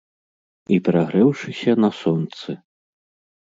І перагрэўшыся на сонцы.